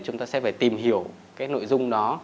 chúng ta sẽ phải tìm hiểu cái nội dung đó